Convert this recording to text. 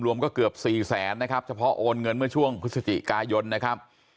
รวมก็เกือบสี่แสนนะครับเฉพาะโอนเงินเมื่อช่วงพฤศจิกายนนะครับ